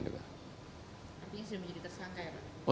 artinya sudah menjadi tersangka ya pak